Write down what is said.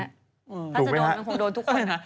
ถ้าจะโดนมันคงโดนทุกคนค่ะ